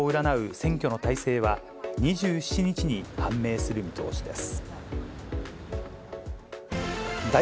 選挙の大勢は、２７日に判明する見通しです。